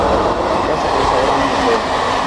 Su casa es ahora un museo.